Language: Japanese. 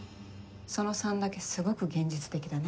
その３だけすごく現実的だね。